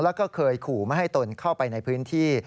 แล้วก็เคยขู่ไม่ให้ตนเข้าไปในพื้นที่